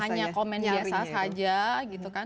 hanya komen biasa saja gitu kan